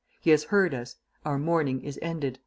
"He has heard us; our mourning is ended!"